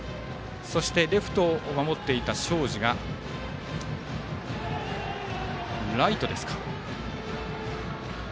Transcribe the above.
そして、レフトを守っていた東海林がライトですか。